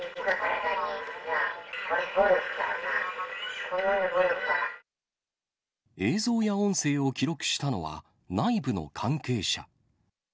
なあ、映像や音声を記録したのは内部の関係者。